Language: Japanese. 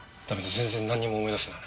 全然なんにも思い出せない。